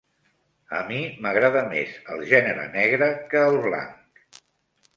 A mi m'agrada més el gènere negre que el blanc.